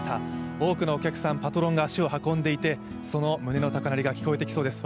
多くのお客さん、パトロンが足を運んでいてその胸の高鳴りが聞こえてきそうです。